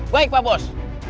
baik pak bos